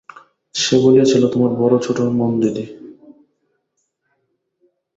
সে বলিয়াছিল, তোমার বড় ছোট মন দিদি।